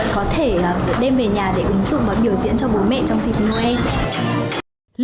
có thể đem về nhà để ứng dụng và biểu diễn cho bố mẹ trong dịp noel